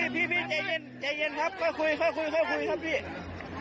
พี่ใจเย็นครับเข้าคุยครับพี่